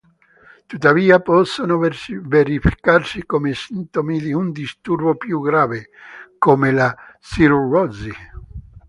Tuttavia, possono verificarsi come sintomi di un disturbo più grave, come la cirrosi.